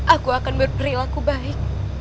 aku akan berperilaku baik